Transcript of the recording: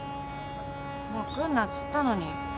もう来んなっつったのに。